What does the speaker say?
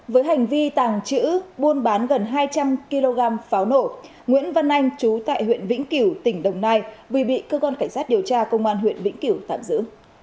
với hành vi tàng trữ buôn bán gần hai trăm linh kg pháo nổ nguyễn văn anh chú tại huyện vĩnh kiểu tỉnh đồng nai vừa bị cơ quan cảnh sát điều tra công an huyện vĩnh kiểu tạm giữ